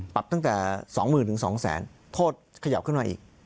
ปรับตั้งแต่๒๐๐๐๒๐๐๐โทษขยับขึ้นมาอีก